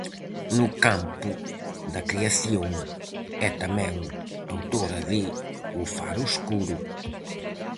No campo da creación é tamén autora de "O faro escuro".